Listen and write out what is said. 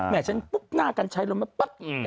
ฉันปุ๊บหน้ากัญชัยลงมาปั๊บ